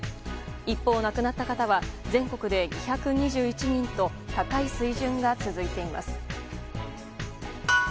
一方、亡くなった方は全国で２２１人と高い水準が続いています。